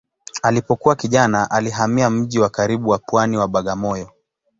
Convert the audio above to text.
Alipokuwa kijana alihamia mji wa karibu wa pwani wa Bagamoyo.